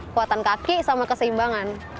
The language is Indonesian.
kuatan kaki sama keseimbangan